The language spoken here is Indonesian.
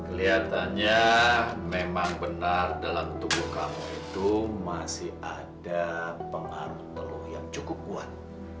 kelihatannya memang benar dalam tubuh kamu itu masih ada pengaruh yang cukup kuat